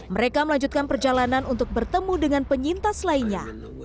mereka melanjutkan perjalanan untuk bertemu dengan penyintas lainnya